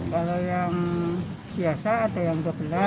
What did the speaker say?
kalau yang biasa ada yang dua belas